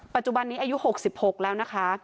ปัจจุบันนี้อายุ๖๖แล้วนะคะ